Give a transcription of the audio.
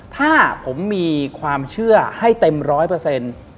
ถ้าผมมีความเชื่อให้เต็มร้อยเปอร์เซ็นต์